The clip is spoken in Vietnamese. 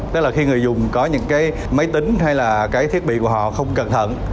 tức là khi người dùng có những cái máy tính hay là cái thiết bị của họ không cẩn thận